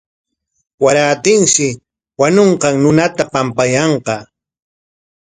Warantinshi wañunqan runata pampayanqa.